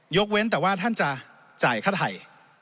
เว้นแต่ว่าท่านจะจ่ายค่าไทย